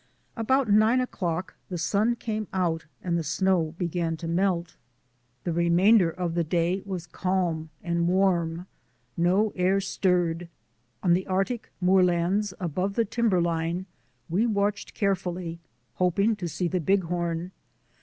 About nine o'clock the sun came out and the snow began to melt. The remainder of the day was calm and warm. No air stirred. On the Arctic moorlands above the timber line we watched carefully, hoping to see the Bighorn.